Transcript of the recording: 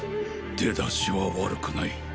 出だしは悪くない。